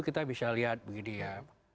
kita bisa lihat begini ya